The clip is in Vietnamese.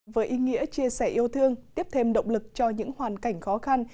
với ý nghĩa chia sẻ yêu thương tiếp thêm động lực cho những hoàn cảnh khó khăn